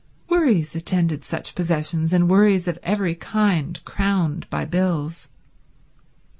Worries attended such possessions, worries of every kind, crowned by bills.